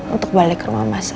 untuk balik ke rumah mas